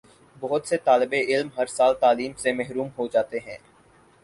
بہت سے طالب علم ہر سال تعلیم سے محروم ہو جاتے ہیں